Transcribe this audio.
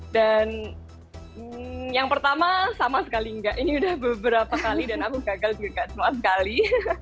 dan yang pertama sama sekali nggak ini udah beberapa kali dan aku gagal juga semua sekali